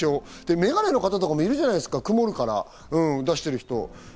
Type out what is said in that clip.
メガネの方とかもいるじゃないですか、曇るとかで出してる人。